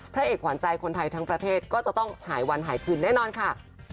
พระเอกหวานใจคนไทยทั้งประเทศก็จะต้องหายวันหายคืนแน่นอนค่ะ